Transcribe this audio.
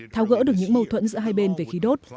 thao gỡ được những mâu thuẫn giữa hai bên về khí đốt